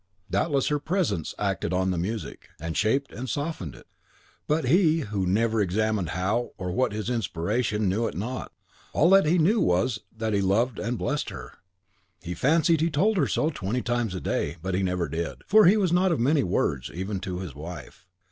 Doubtless her presence acted on the music, and shaped and softened it; but, he, who never examined how or what his inspiration, knew it not. All that he knew was, that he loved and blessed her. He fancied he told her so twenty times a day; but he never did, for he was not of many words, even to his wife.